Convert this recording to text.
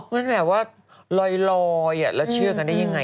มันแบบว่าลอยแล้วเชื่อกันได้ยังไง